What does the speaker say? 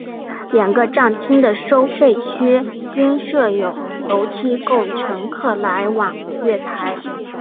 两个站厅的收费区均设有楼梯供乘客来往月台。